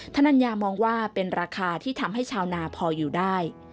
ธนัญญามองว่าเป็นราคาที่ทำให้ชาวนาพออยู่ได้